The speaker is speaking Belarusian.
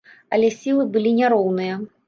Але сілы былі няроўныя.